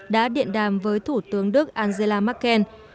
đã điện đàm với thủ tướng đức angela merkel